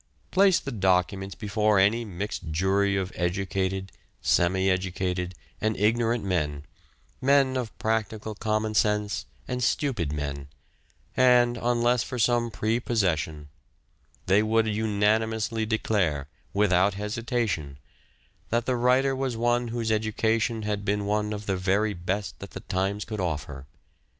Place the documents before any mixed jury of educated, semi educated, and ignorant men, men of practical common sense, and stupid men, and, unless for some prepossession, they would unanimously declare, without hesitation, that the writer was one whose education had been of the very best that the times could offer.